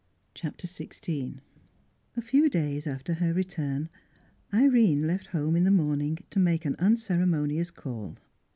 CHAPTER XVI A few days after her return, Irene left home in the morning to make an unceremonious call.